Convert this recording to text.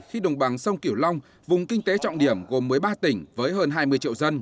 khi đồng bằng sông kiểu long vùng kinh tế trọng điểm gồm mới ba tỉnh với hơn hai mươi triệu dân